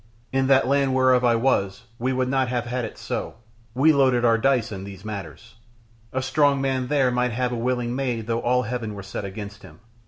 In that land whereof I was, we would not have had it so, we loaded our dice in these matters, a strong man there might have a willing maid though all heaven were set against him!